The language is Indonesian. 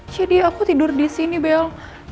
jadi aku tidur disini bel